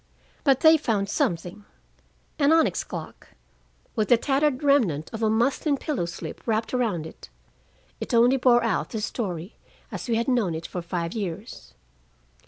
But they found something an onyx clock, with the tattered remnant of a muslin pillow slip wrapped around it. It only bore out the story, as we had known it for five years.